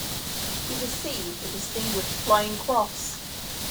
He received a Distinguished Flying Cross.